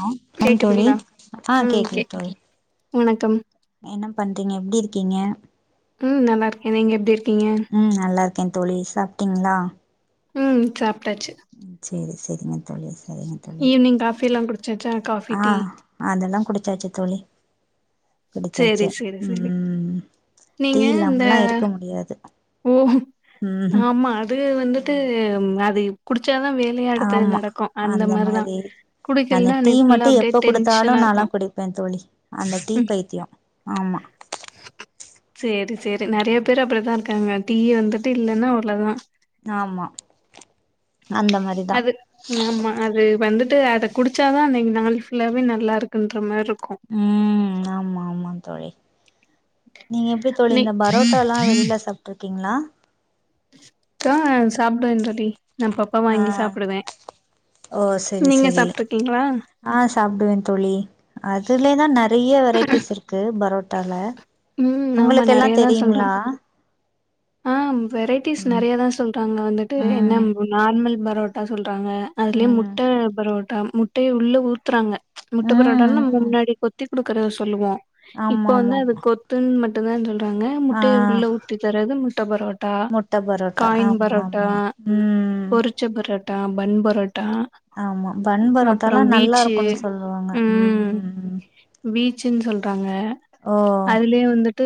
அ ஆ தோழி கேக்குதுங்களா ஆ ம் கே கேக்குது தோழி வணக்கம் என்ன பண்றீங்க எப்டி இருக்கீங்க ம் நல்லா இருக்க நீங்க எப்டி இருக்கீங்க ம் நல்லா இருக்கே தோழி சாப்ட்டீங்களா ம் சாப்ட்டாச்சு ம் செரிங்க ஈவ்னிங் காஃபி எல்லா குடு ஆ அதெல்லா குடிச்சாச்சு தோழி சேரி குடிச்சாச்சு சேரி சேரி ம் டி நீங்க இந்த இல்லாமல்லா இருக்க முடியாது ஓ ம்ஹும் ஆமா அது வந்துட்டு அது ச்சாதா வேலையே அடுத்தது ஆமா நடக்கு அந்த மாரிதா அந்த குடிக்கலனா டீ அன்னைக்கு ஃபுல்லா மட்டு அப்டியே எப்ப குடுத்தாலு டென்ஷனா நாலா இருக்கு குடிப்பே தோழி அந்த டீ ம் பைத்தியோ ஆமா சேரி செரி நெறைய பேர் அப்படிதா இருக் காங்க டி வந்துட்டு இல்லன்னா அவ்ளோதா ஆமா அந்த மாரிதா அது ஆமா அது வந்துட்டு அத குடிச்சாதா அன்னைக்கு நாள் ஃபுல்லாவே நல்லா இருக்குன்ற மாரி இருக்கு ம் ஆ மா ஆமா தோழி நீங்க எப்டி தோழி நீ இந்த பரோட்டால்லா வெளில சாப்டு இருக்கீங்களா க் ஆ சாப்டுவே தோழி நா அப்பப்ப ஆ வாங்கி சாப்புடுவே ஓ செரி நீங்க செரி சாப்ட்டுருக்கீங்களா ஆ சாப்டுவே தோழி அதுலேதா நெறைய வெரைட்டிஸ் இருக்கு பரோ ட்டால ம் ஆமா உங்களுக்கெல்லா நெறையதா சொல்றே தெரியுங்களா ஆ வெரைட்டிஸ் ம் நெறைய தா சொல்றாங்க வந்துட்டு என்ன ம் நார்மல் பரோட்டா சொல் றாங்க அதுலயே ம் முட்ட பரோட்டா முட்டைய உள்ள ஊத்துறாங்க முட்டப்பரோட்டால ம் நம்ம ம் முன்னாடி கொத்தி குடுக்கறத சொல்லுவோ இப்ப ஆமா ஆமா வந்து அது ஆமா கொத் மட்டு தா சொல்றாங்க ஆ முட்டைய உள்ள ஊத்தி தரது முட்ட பரோட் டா முட்ட பரோட்டா காயின் ஆமா பரோட்டா ஆமா ம் பொரிச்ச பரோட்டா பன் பரோட் ஆமா பன் பரோட்டாலா நல்லா வீச்சு இருக்குன்னு சொல்லுவாங்க ம் ம் ம் வீச்சுன் சொல்றாங்க ஓ அதுலயே வந்துட்டு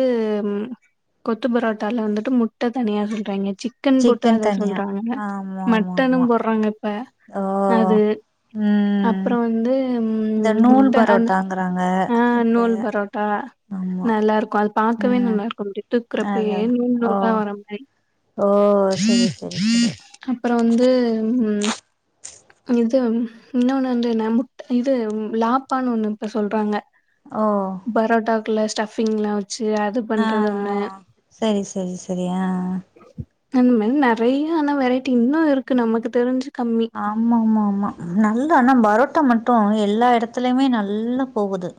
கொத்து பரோட்டால வந்துட்டு முட்ட தனியா சொல்றாய்ங்க சிக்கன் போட்டா அத தனியா சொல்றாங்க ஆமா ஆமா மட்டனு ஆமா போடுறாங்க இப்ப ஓ அது ம் அப்புறோ வந்து ம் இந்த நூல் முட்ட அந்த பரோட்டாங்கறாங்க ஆ இப்ப நூல் பரோட்டா ஆமா நல்லா இருக்கு அது பாக்கவே ம் நல்லா இருக்கு டிட்டுக்குறப்பயே அதா நூல் ஓ நூலா வர மாரி ஓ செரி செரி செரி அப்புறோ வந்து ம் [inaudible] இது இன்னொண்ணு வந்து என்ன முட் இது லாப்பான்னு ஒண்ணு இப்ப சொல்றாங்க ஓ குள்ள ஸ்டஃபிங்ல்லா வச்சு அது ஆ ஆ பண்றது ஒண்ணு செரி செரி செரி ஆ ஆ அந் மாரி நுறையா ஆன வெரை ஆமா ஆமா ஆமா நல் ஆனா பரோ ட்டா மட்டு எல்லா எடத்துலயுமே நல்லா போகுது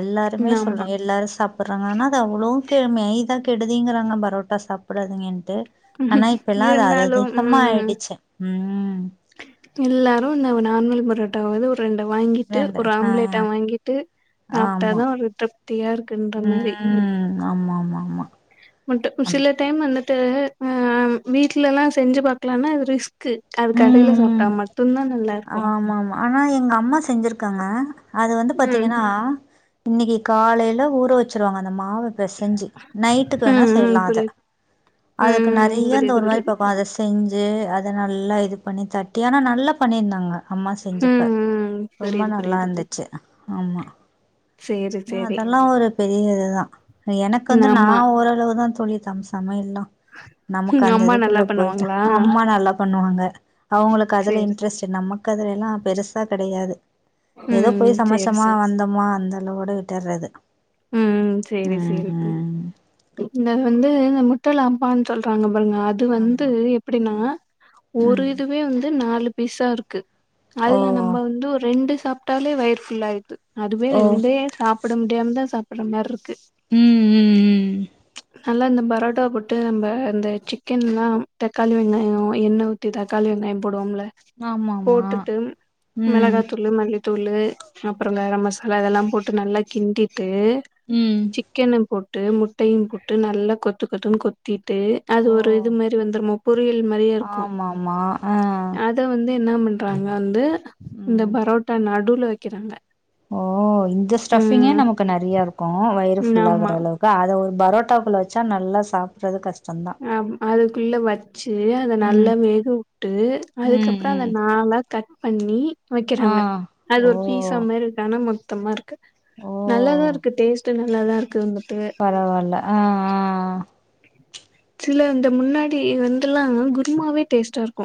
எல்லாருமே ஆமா சொல்றாங்க எல்லாரு சாப்புடுறாங்க ஆனா அது அவ்வளே கே மெய்தா கெடுதிங்குறாங்க பரோட்டா சாப்பிடாதிங்கட்டு, ஆனா இப்போ எல்லா அது அதது இருந்தாலும் தம்மா ம் ஆயிடுச்சு ம் எல்லாரு இந்த நார்மல் பரோட்டாவது ஒரு ரெண்டு வாங்கிட்டு வேண்ட ஒரு ஆ ஆம்லேட்டா வாங்கிட்டு ஆமா சாப்ட்டாதா ஒரு திருப்தியா இருக்குன்ற மாரி ஆமா ஆமா ஆமா மட்டு சில டைமு வந்துட்டு அ வீட்ல எல்லா செஞ்சு பாக்கலானா அது ரிஸ்க் க்கு அது ம் கடையில ம் சாப்ட்டா மட்டுதா நல்லா இருக்கோ இருக்காங்க அது வந்து பாத்தீங்கனா இன்னிக்கு காலைல ஊற வெச்சிருவாங்க மாவுப்பெசஞ்சு நைட்டுக்கு வேணா ம் ம் செய்லா அத புரியுது ம் அதுக்கு ம் நறைய அந்த புரியுது ஒரு மாரி புரியுது பக்வோ அத செஞ்சு து அத நல்லா இது பண்ணி தட்டி ஆனா நல்லா பண்ணிருந்தாங்க அம்மா செஞ்சப்ப ம் ம் ரொம்ப புரியுது நல்லா புரியுது தோ இருந்துச்சு ஆமா சேரி சேரி அதெல்லா ஒரு பெரிய இதுதா எனக்கு ம் வந்து நா ஆமா ஓரளவுதா தோழி சம் சமையல் லா நமக்கு அந்த அம்மா நல்லா இதுக்குள்ள போயிட்டா பண்ணுவாங்களா அம்மா நல்லா சமைப்பாங்க அவுங்குளுக்கு அதுல சேரி இன்ட்ரெஸ்டு நமக்கு அதுல எல்லா பெருசா கெடையாது ஏதோ ம் போய் சேரி சமோச்சமா சேரி வந்தோமா அந்த அளவோட விட்டுறது ம் ம் சேரி ம் சேரி ப் ம் இங்க வந்து இந்த முட்டலா ஆம்பானு சொல்றாங்க பாங்க அது வந்து ஆமா எப்டின்னா ம் ஒரு ம் இதுவே வந்து நாலு பீஸா இருக்கு ஓ அதுல நம்ம வந்து ஒரு ரெண்டு சாப்ட்டாலே வயிரு ஃபுல் ஆயிட்து அதுவே ஓ ரெண்டே சாப்ட முடியாமதா சாப்புட்ற மாரி இருக் ம் ம் ம் நல்லா இந்த பரோட்டா போட்டு நம்ம இந்த சிக்கன்லா தக்காளி வெங்காயோ எண்ணெ ஊத்தி தக்காளி வெங்காயோ போடுவோம்ல ம் ஆமாமா போட்டுட்டு ம் மெளகாத்தூளு மல்லி தூளு அப்புறோ கரோ மசாலா இதல்லா போட்டு நல்லா கிண்டி போட்டு ம் சிக்கன போட்டு முட்டையு போட்டு நல்லா கொத்து கொத்துனு கொத் திட்டு அது ஓ ஒரு இது மாரி வந்துருமோ பொரியல் மாரியே இருக்கோ ஆமாமா ஆ அத வந்து என்ன பண்றாங்க வந்து இந்த ம் பரோட்டா நடுவுல வெக்கிறாங்க ஓ இந்த ஸ்டஃபிங்கே நமக்கு நறியா இருக்கோ வயிறு ம் ஃபுல்லா ஆமா. ஆகுறளவுக்கு அத ஒரு பரோட்டாக்குள்ள வெச்சா நல்லா சாப்பிடறது கஷ் அ ம் அதுக்குள்ள வச்சு அத ம் நல்லா வேக வுட்டு ம் அதுக்கப்புறோ அத ம் நாளா கட் பண்ணி ஆ வெக்கறாங்க அது ஓ ஒரு பீசா மாரி இருக்கு ஆனா மொத்தமா இருக்கு ஓ நல்லாதா இருக்கு டேஸ்டு நல்லாதா இருக்கு இங்க பரவால ஆ ஆ ஆ ஆ சில இந்த முன்னாடி வந்துலா குருமாவே டேஸ்ட்டா இர்க்கோ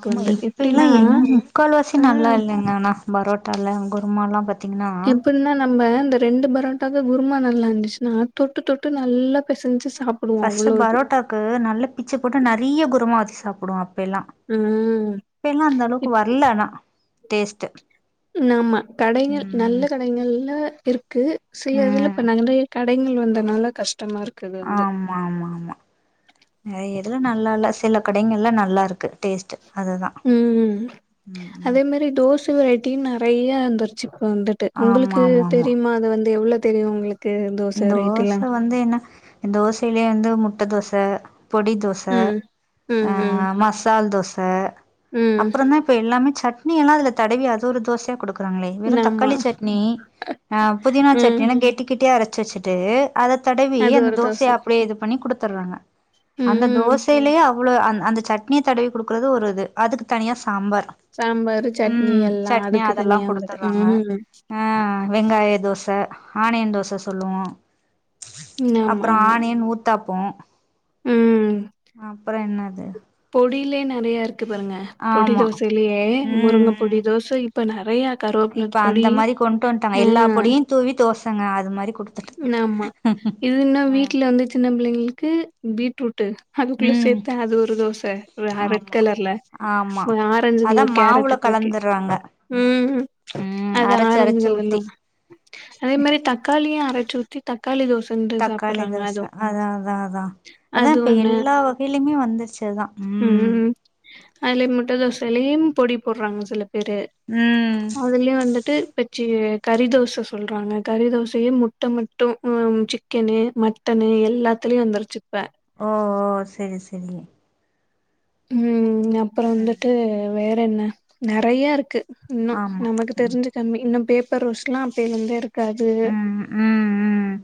ஆமா இப்ப எல்லா எங்க முக்கால் வாசி ஆ நல்லா இல்லைங்க ஆனா பரோட்டால கொத் சும்மாலா பத் எப்பிட்னா நம்ப அந்த ரெண்டு பரோட்டாக்கு குருமா நல்லா இருந்துச்சுனா தொட்டு தொட்டு நல்லா பெசஞ்சு சா ஃபர்ஸ்டு பரோட்டாக்கு நல்லா பிச்சு போட்டு நறீய குருமா வெச்சி சாப்புடுவோ அப் பேல்லா ம். இப்பெல்லா அந்த அளவுக்கு வர்ல ஆனா டேஸ்டு ம் ஆமா கடைகள் நல்ல கடைகள்ல இருக்கு சில இதுல ம் இப்ப நாங்க வந்து க கடைங்கள் வந்தனால கஷ் ஆமா ஆமா ஆமா நறைய இதுல நல்லா இல்ல ஸ் சில கடைங்கள்ல நல்லா இருக்கு டேஸ்ட்டு ம் ம் அதே மாரி தோச வெரைட்டியு நறைய வந்துருச்சு வந்துட்டு ஆமா உங்குளுக்கு ஆமா ஆமா தெரியுமா அது வந்து எவ்ளோ தெரியு உங்குளுக் தோச வந்து என்ன தோசயிலயே வந்து முட்ட தோச பொடி தோச ம். ம், அ ம், மசால் தோச ம். அப்புறோ தா இப்ப எல்லாமே சட்னி எல்லா அதுல தடவி அது ஒரு தோசையா கொடுக் றாங்களே வெறு ஆமா. தக்காளி சட்னி ஆ புதினா சட்னி ம். எல்லா கெட்டி கெட்டியா அரச்சு வெச்சுட்டு அத தடவி அது அந்த ஒரு தோச. தோசய அப்டியே இது பண்ணி குடுத்துடுறாங்க அந்த ம். தோசயிலயோ அவ்ளோ அந் அந்த சட்னிய தடவி குடுக்குறது ஒரு இது அதுக்கு தனியா சாம்பார் சாம்பாரு, சட்னி ம் எல்லா சட்னி அதுக்கு அதெல்லா தனியா வந்துட்டு. குடுத்துடுறாங்க ம். அ வெங்காய தோச ஆனியன் தோச சொல்லுவோ அப்புறோ ஆமாமா. ஆனியன் ஊத்தாப்போ ம். அப்புறோ என்னா இது பொடிலயே நறைய இருக்கு பாருங்க பொடி ஆமா தோசைலயே ம் முருங்க பொடி ம் தோச இப்ப நறைய இப்ப அந்த மாரி கொண்டு வந்ட்டாங்க எல்லா பொடியு தூவி தோசங்க அது மாரி குடுத்துட்டு ஆமா இது இன்னு அ வீட்ல வந்து சின்ன பிள்ளைங்களுக்கு பீட்ரூட் டு அதுக்குள்ள ம் சேத்து அது ஒரு தோச ரெட் ஆமா கலர்ல ஆமா ஆரஞ்ச அதா கல கேர மாவுல ரட்ட கலக்கி கலந்துர்றாங்க ம் ம் அது அரச்சு ஆரஞ்சு அரச்சு கலர்ல ஊத்தி அதே மாரி தக்காளிய அரைச்சு ஊத்தி தக் தக்காளி தோச அதா அதா அதா அதா அது இப்ப ஒண்ணு எல்லா வகையிலயுமே வந்துருச்சுதா ம் அதுல முட்ட தோசையிலயே பொடி போடுறாங்க சிலப் பேரு ம் அதுலயு வந்துட்டு சி கறி தோச சொல்றாங்க கறி தோசயே முட்டை மட்டும் சிக்கனு மட்டனு எல்லாத்தலயு வந்துருச்சு இப்ப ஓ ஓ சரி சரி ம் அப்பறம் வந்துட்டு வேற என்ன நெறைய இருக்கு இன்னு ஆமா நமக்கு ம் தெரிஞ்சு கம்மி இன்னு பேப்பர் ரோஸ்ட்லா அப்பைல இருந்தே இருக்கு ம் ம் ம்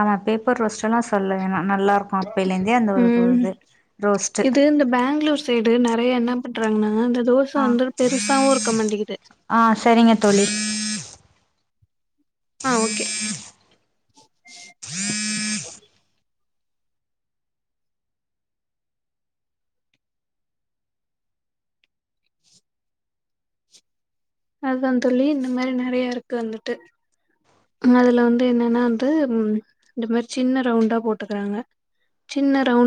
ஆமா பேப்பர் ரோஸ்ட் ப்பல்லா சொல்லன்னா நல்லா இருக்கு அப்பைல இருந்தே அந்த ஒரு ம் இது ரோஸ்ட் இது இந்த பேங்களூர் சைடு நெறைய என்ன பண்றாங்கா தோசை ஆ வந்து பெருசாவு இருக்க மாட்டிங்குது ஆ சரிங்க தோழி ஆ ஓகே அதுதா தொழி இந்த மாரி நெறய இருக்கு வந்துட்டு அதுல வந்து என்னன்னா வந்து இந்த மாரி சின்ன ரவுண்டா போட்டுக்கறாங்க சின்ன ரவுண்